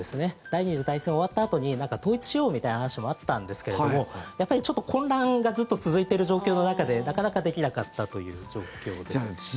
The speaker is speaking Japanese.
第２次大戦が終わったあとに統一しようみたいな話もあったんですけれどもちょっと混乱がずっと続いている状況の中でなかなかできなかったという状況です。